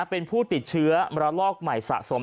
เป็นผู้ติดเชื้อระลอกใหม่สะสม